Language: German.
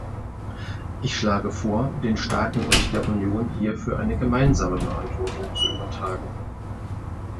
Ich schlage vor, den Staaten und der Union hierfür eine gemeinsame Verantwortung zu übertragen.